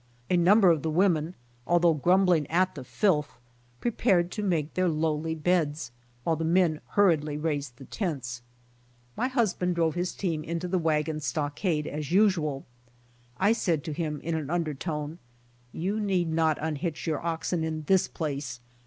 A number of the women, although grumbling at the filth, prepared to make their lowly beds, while the men hurriedly raised the tents. My husband drove his team into the wagon stockade as usual. I said to him in an undertone, "You need not unhitch your oxen in this place.